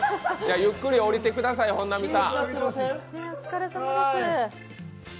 ゆっくり降りてください本並さん。